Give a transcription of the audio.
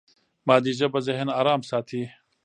مادي ژبه ذهن ارام ساتي.